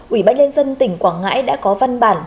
ủy ban nhân dân tỉnh quảng ngãi đã có văn bản